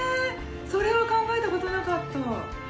それは考えた事なかった！